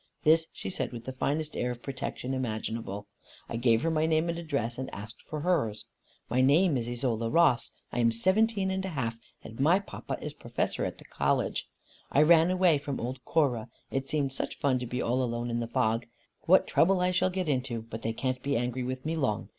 This she said with the finest air of protection imaginable. I gave her my name and address, and asked for hers. "My name is Isola Ross, I am seventeen and a half, and my papa is Professor at the College. I ran away from old Cora. It seemed such fun to be all alone in the fog. What trouble I shall get into! But they can't be angry with me long.